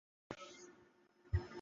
সেটা আমি বলতে পারব না।